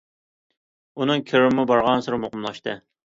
ئۇنىڭ كىرىمىمۇ بارغانسېرى مۇقىملاشتى.